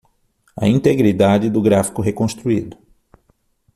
A integridade do gráfico reconstruído